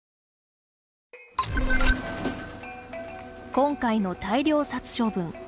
今回の大量殺処分。